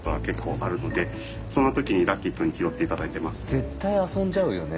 絶対遊んじゃうよね。